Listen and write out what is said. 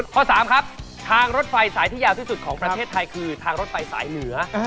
ข้อ๓ครับทางรถไฟสายที่ยาวที่สุดของประเทศไทยคือทางรถไฟสายเหนือ